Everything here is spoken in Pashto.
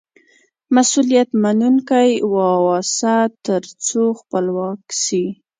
مسئولیت منونکی واوسه، تر څو خپلواک سې.